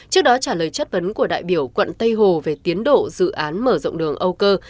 trước đó trả lời chất vấn của đại biểu quận tây hồ về tiến độ dự án mở rộng đường âu cơ